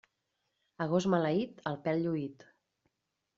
A gos maleït, el pèl lluït.